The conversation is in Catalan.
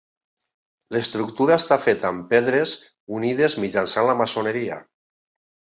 L'estructura està feta amb pedres unides mitjançant la maçoneria.